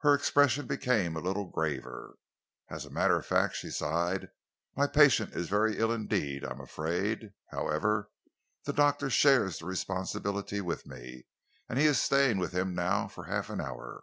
Her expression became a little graver. "As a matter of fact," she sighed, "my patient is very ill indeed, I am afraid. However, the doctor shares the responsibility with me, and he is staying with him now for half an hour."